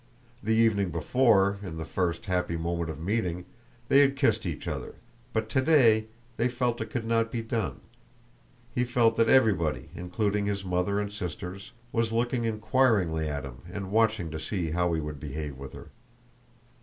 The evening before, in the first happy moment of meeting, they had kissed each other, but today they felt it could not be done; he felt that everybody, including his mother and sisters, was looking inquiringly at him and watching to see how he would behave with her.